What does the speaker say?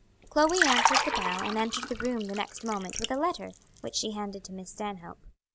Chloe answered the bell and entered the room the next moment with a letter, which she handed to Miss Stanhope.